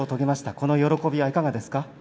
この喜びはいかがですか。